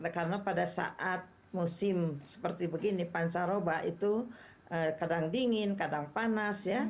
karena pada saat musim seperti begini pancaroba itu kadang dingin kadang panas ya